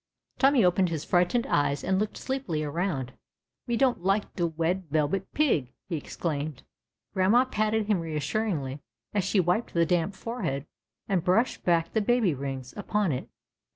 Tommy ojoened his frightened eyes and looked sleej)ily around. ^^Me don't lite de Wed Yelbet Pig!" he exclaimed. Grandma patted him reassuringly as she wiped the damp forehead and brushed back the baby rings upon it.